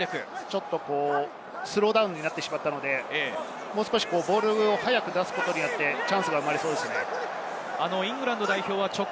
ちょっとスローダウンになってしまったので、もう少しボールを早く出していくと、チャンスが生まれそうですね。